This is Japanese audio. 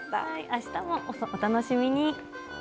明日もお楽しみに。